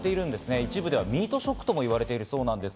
一部ではミートショックともいわれています。